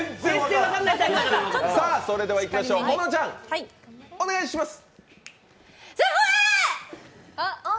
それではいきましょう、保乃ちゃん、お願いします。！